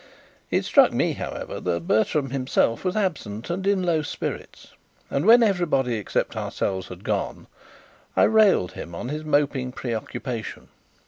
It struck me, however, that Bertram himself was absent and in low spirits, and when everybody except ourselves had gone, I rallied him on his moping preoccupation.